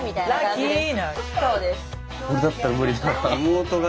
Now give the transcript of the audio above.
そうです。